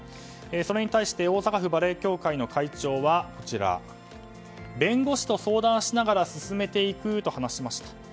それに対して大阪府バレーボール協会の会長は弁護士と相談しながら進めていくと話しました。